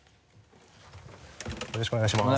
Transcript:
よろしくお願いします。